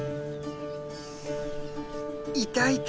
いたいた。